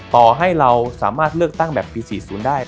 ต่อให้เราสามารถเลือกตั้งแบบปี๔๐ได้